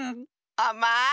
あまい！